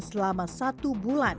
selama satu bulan